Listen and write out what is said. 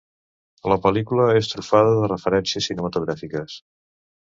La pel·lícula és trufada de referències cinematogràfiques.